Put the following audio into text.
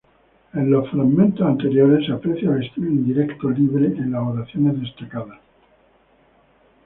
En los fragmentos anteriores, se aprecia el estilo indirecto libre en las oraciones destacadas.